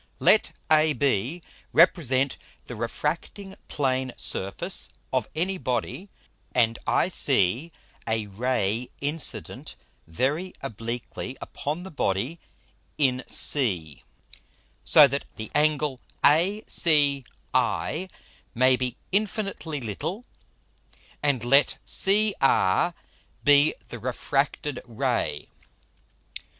_ [Illustration: FIG. 8.] Let AB represent the refracting plane Surface of any Body, and IC a Ray incident very obliquely upon the Body in C, so that the Angle ACI may be infinitely little, and let CR be the refracted Ray.